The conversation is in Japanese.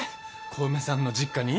小梅さんの実家に？